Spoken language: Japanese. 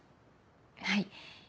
はい。